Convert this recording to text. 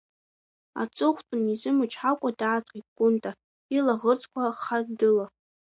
Аҵыхәтәаны изымчҳакәа дааҵҟьеит Кәынта, илаӷырӡқәа хаддыла.